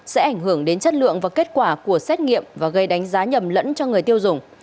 sẽ ảnh hưởng đến chất lượng và kết quả của xét nghiệm và gây đánh giá nhầm lẫn cho người tiêu dùng